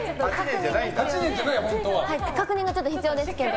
確認が必要ですけど。